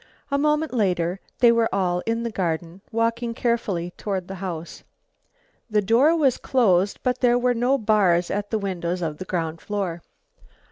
A moment later they were all in the garden, walking carefully toward the house. The door was closed but there were no bars at the windows of the ground floor.